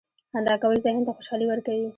• خندا کول ذهن ته خوشحالي ورکوي.